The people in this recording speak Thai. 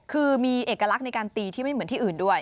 คือมีเอกลักษณ์ในการตีที่ไม่เหมือนที่อื่นด้วย